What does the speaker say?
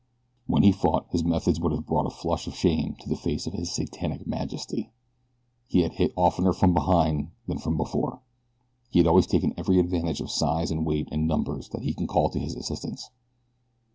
When he fought, his methods would have brought a flush of shame to the face of His Satanic Majesty. He had hit oftener from behind than from before. He had always taken every advantage of size and weight and numbers that he could call to his assistance.